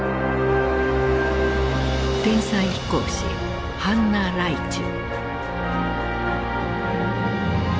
天才飛行士ハンナ・ライチュ。